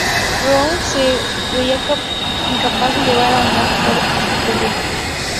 Browning se veía incapaz de llevar a buen puerto sus proyectos.